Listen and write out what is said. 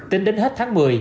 tính đến hết tháng một mươi